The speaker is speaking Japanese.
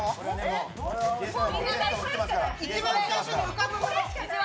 一番最初に浮かぶもの。